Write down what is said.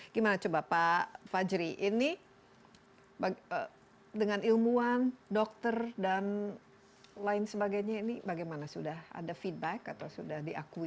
gimana coba pak fajri ini dengan ilmuwan dokter dan lain sebagainya ini bagaimana sudah ada feedback atau sudah diakui